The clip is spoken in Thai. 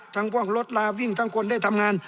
พวกรถลาวิ่งทั้งคนได้ทำงาน